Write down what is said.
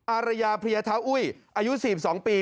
อารยาเพลียเท้าอุ้ยอายุ๔๒ปี